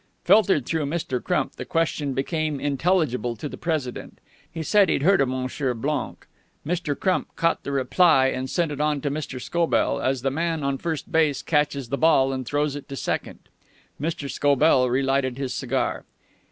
Filtered through Mr. Crump, the question became intelligible to the President. He said he had heard of M. Blanc. Mr. Crump caught the reply and sent it on to Mr. Scobell, as the man on first base catches the ball and throws it to second. Mr. Scobell relighted his cigar.